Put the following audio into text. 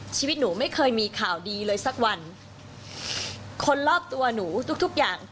ชีวิตหนูไม่เคยมีข่าวดีเลยสักวันคนรอบตัวหนูทุกทุกอย่าง